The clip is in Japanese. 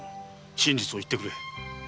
真実を言ってくれ。